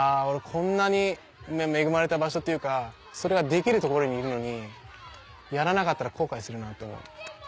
こんなに恵まれた場所っていうかそれができるところにいるのにやらなかったら後悔するなって思う。